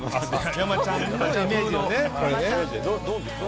山ちゃんのイメージのね。